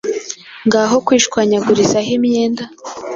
ngaho kwishwanyagurizaho imyenda,